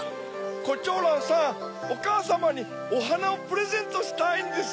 コチョウランさんおかあさまにおはなをプレゼントしたいんです。